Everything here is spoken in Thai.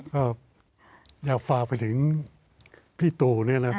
ก็อยากฝากไปถึงพี่ตู่เนี่ยนะครับ